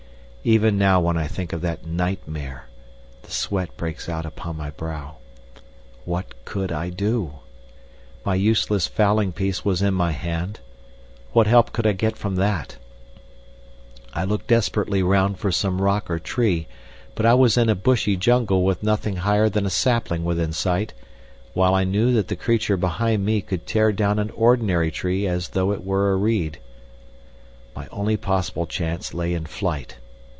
Even now when I think of that nightmare the sweat breaks out upon my brow. What could I do? My useless fowling piece was in my hand. What help could I get from that? I looked desperately round for some rock or tree, but I was in a bushy jungle with nothing higher than a sapling within sight, while I knew that the creature behind me could tear down an ordinary tree as though it were a reed. My only possible chance lay in flight.